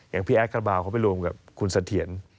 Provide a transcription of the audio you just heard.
อย่างพี่แอดคาบาลเขาไปรวมกับคุณเสถียร